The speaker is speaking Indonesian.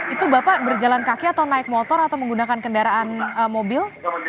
itu bapak berjalan kaki atau naik motor atau menggunakan kendaraan mobil